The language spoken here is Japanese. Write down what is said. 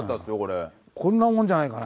こんなもんじゃないかな？